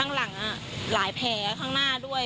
หลายแผลข้างหน้าด้วย